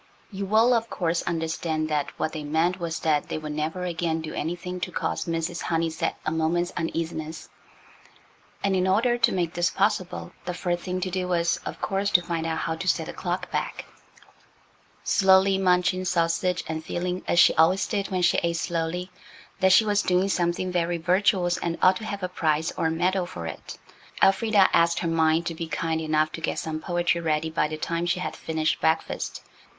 You will, of course, understand that what they meant was that they would never again do anything to cause Mrs. Honeysett a moment's uneasiness, and in order to make this possible the first thing to do was, of course, to find out how to set the clock back. Slowly munching sausage, and feeling, as she always did when she ate slowly, that she was doing something very virtuous and ought to have a prize or a medal for it, Elfrida asked her mind to be kind enough to get some poetry ready by the time she had finished breakfast.